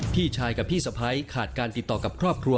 พี่ชายกับพี่สะพ้ายขาดการติดต่อกับครอบครัว